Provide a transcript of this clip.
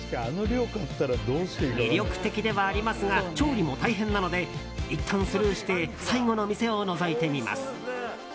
魅力的ではありますが調理も大変なのでいったんスルーして最後の店をのぞいてみます。